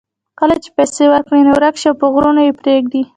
کله چې پیسې ورکړې نو ورک شي او په غرونو کې یې پرېږدي.